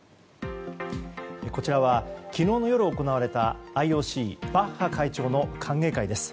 こちらは昨日の夜行われたＩＯＣバッハ会長の歓迎会です。